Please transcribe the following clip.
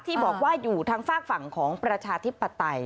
ที่บอกว่าอยู่ทางฝากฝั่งของประชาธิปไตย